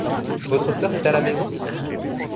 Votre sœur est à la maison ?